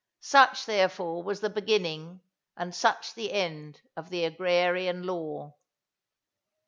Such, therefore, was the beginning and such the end of the Agrarian Law.